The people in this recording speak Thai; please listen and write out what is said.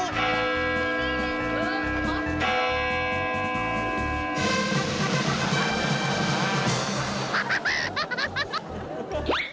สาธุ